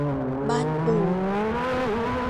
บ้านปู